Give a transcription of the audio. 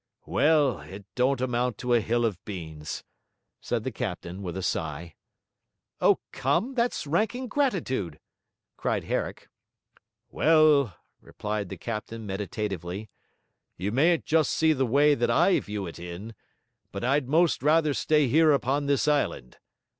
'Well, it don't amount to a hill of beans,' said the captain with a sigh. 'O, come, that's rank ingratitude!' cried Herrick. 'Well,' replied the captain, meditatively, 'you mayn't just see the way that I view it in, but I'd 'most rather stay here upon this island.